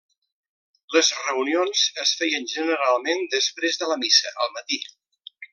Les reunions es feien generalment després de la missa, al matí.